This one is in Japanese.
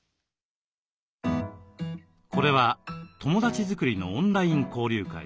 これは友だち作りのオンライン交流会